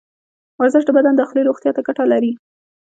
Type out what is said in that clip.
ورزش د بدن داخلي روغتیا ته ګټه لري.